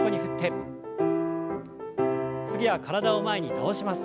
次は体を前に倒します。